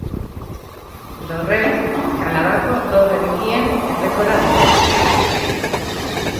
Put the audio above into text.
Dorreek Kanadako dorre bikien errekorra dute.